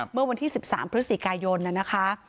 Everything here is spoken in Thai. เมื่อวันที่๑๓พฤศจิกายนนะคะ